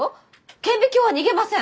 顕微鏡は逃げません！